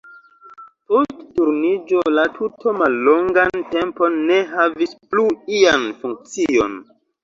Post Turniĝo la tuto mallongan tempon ne havis plu ian funkcion.